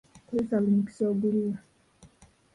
Kozesa buli mukisa oguliwo.